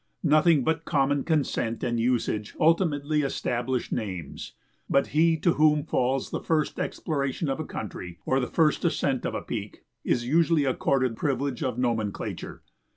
Nothing but common consent and usage ultimately establish names, but he to whom falls the first exploration of a country, or the first ascent of a peak, is usually accorded privilege of nomenclature.